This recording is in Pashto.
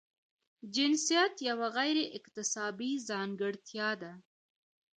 جنسیت یوه غیر اکتسابي ځانګړتیا ده.